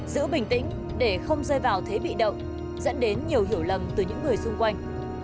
giữ bình tĩnh để không rơi vào thế bị động dẫn đến nhiều hiểu lầm từ những người xung quanh